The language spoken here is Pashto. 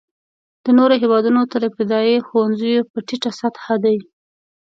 د نورو هېوادونو تر ابتدایه ښوونځیو په ټیټه سطحه دی.